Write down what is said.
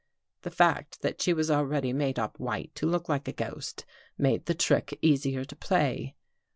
The fact that she was already made up white to look like a ghost, made the trick easier to play.